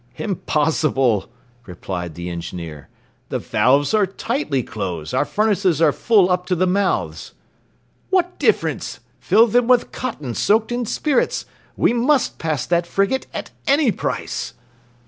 "Impossible!" replied the engineer. "The valves are tightly closed; our furnaces are full up to the mouths." "What difference! Fill them with cotton soaked in spirits; we must pass that frigate at any price."